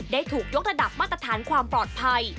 ได้ถูกยกระดับมาตรฐานความปลอดภัย